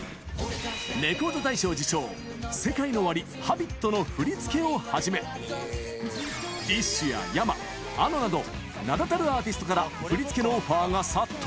レコード大賞受賞、ＳＥＫＡＩＮＯＯＷＡＲＩ、Ｈａｂｉｔの振り付けをはじめ、ＤＩＳＨ／／やヤマ、あのなど名だたるから振り付けのオファーが殺到。